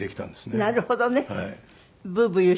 なるほどね。